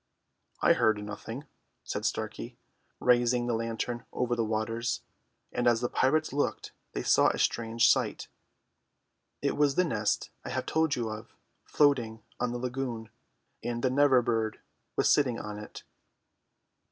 "I heard nothing," said Starkey, raising the lantern over the waters, and as the pirates looked they saw a strange sight. It was the nest I have told you of, floating on the lagoon, and the Never bird was sitting on it.